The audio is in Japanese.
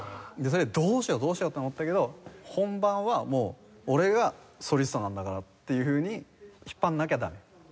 それでどうしようどうしようって思ったけど本番はもう俺がソリストなんだからっていうふうに引っ張んなきゃダメ。